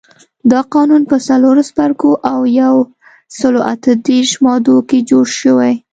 دا قانون په څلورو څپرکو او یو سلو اته دیرش مادو کې جوړ شوی.